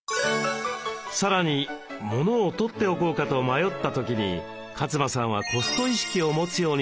さらにモノをとっておこうかと迷った時に勝間さんはコスト意識を持つようにしたといいます。